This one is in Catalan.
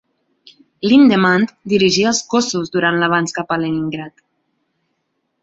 Lindemann dirigia els cossos durant l'avanç cap a Leningrad.